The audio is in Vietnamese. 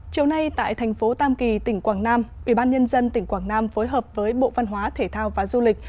chiều nay tại thành phố tam kỳ tỉnh quảng nam ủy ban nhân dân tỉnh quảng nam phối hợp với bộ văn hóa thể thao và du lịch